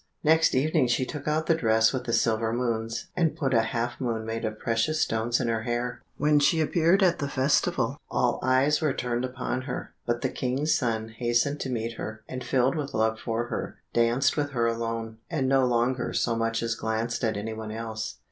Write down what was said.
Next evening she took out the dress with the silver moons, and put a half moon made of precious stones in her hair. When she appeared at the festival, all eyes were turned upon her, but the King's son hastened to meet her, and filled with love for her, danced with her alone, and no longer so much as glanced at anyone else.